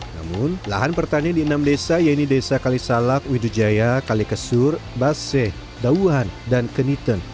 namun lahan pertanian di enam desa yaitu desa kalisalak widujaya kalikesur baseh dauhan dan keniten